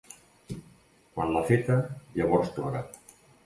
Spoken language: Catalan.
Quan l'ha feta, llavors plora.